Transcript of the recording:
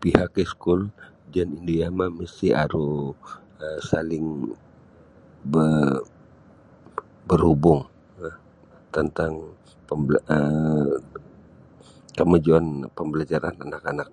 Pihak iskul jaan indu yama' misti' aru um saling berhubung um tentang um kemajuan pembelajaran anak-anak.